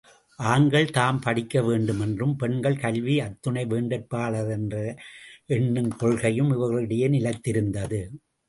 ஆண்கள் தாம் படிக்க வேண்டும் என்றும், பெண் கல்வி அத்துணை வேண்டற்பாலதன்று என்றும் எண்ணும் கொள்கையும் இவர்களிடையே நிலைத்திருந்தது.